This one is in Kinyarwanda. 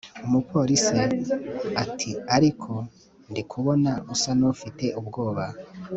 Umupolice atiariko ndikubona usa nufite ubwoba